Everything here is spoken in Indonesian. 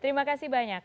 terima kasih banyak